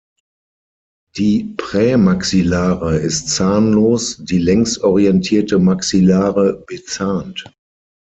Die Prämaxillare ist zahnlos, die längs orientierte Maxillare bezahnt.